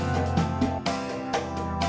gimana anda berbicara